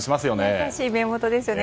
優しい目元ですよね。